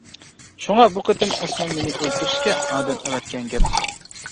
شۇڭا بۇ قېتىم ئوسمان مېنى ئۆلتۈرۈشكە ئادەم ئەۋەتكەن گەپ.